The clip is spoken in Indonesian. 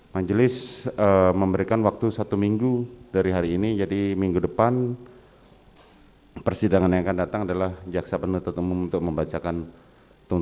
majelis memberikan waktu satu minggu dari hari ini jadi minggu depan persidangan yang akan datang adalah jaksa penuntut umum untuk membacakan tuntutan